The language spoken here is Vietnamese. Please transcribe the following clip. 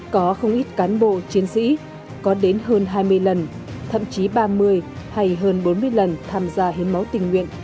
có không ít cán bộ chiến sĩ có đến hơn hai mươi lần thậm chí ba mươi hay hơn bốn mươi lần tham gia hiến máu tình nguyện